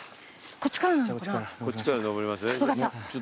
こっちから上ります？